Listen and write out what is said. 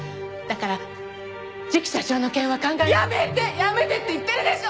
やめてって言ってるでしょ！